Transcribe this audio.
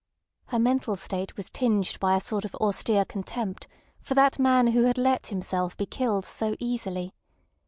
Her mental state was tinged by a sort of austere contempt for that man who had let himself be killed so easily.